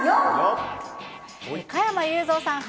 加山雄三さん